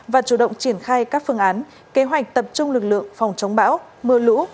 và chủ động triển khai các phương án kế hoạch tập trung lực lượng phòng chống bão mưa lũ